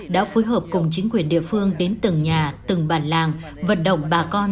đã phối hợp cùng chính quyền địa phương đến từng nhà từng bản làng vận động bà con